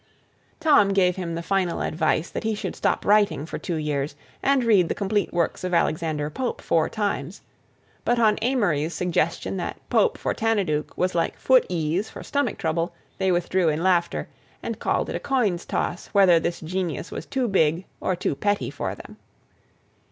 Tom gave him the final advice that he should stop writing for two years and read the complete works of Alexander Pope four times, but on Amory's suggestion that Pope for Tanaduke was like foot ease for stomach trouble, they withdrew in laughter, and called it a coin's toss whether this genius was too big or too petty for them.